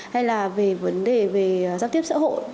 hay là về vấn đề về giao tiếp xã hội